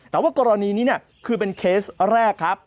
แต่ว่ากรณีนี้คือเป็นเคสแรกครับ